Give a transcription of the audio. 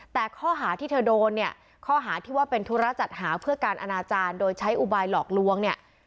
แต่ข้อหาที่เธอโดนเนี่ยข้อหาที่ว่าเป็นธุระจัดหาเพื่อการอนาจารย์โดยใช้อุบายหลอกลวงเนี่ย